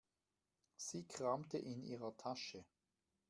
Sie kramte in ihrer Tasche.